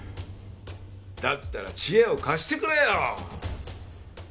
だったら知恵を貸してくれよ！